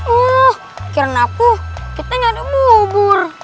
oh kira kira aku kita nyari bubur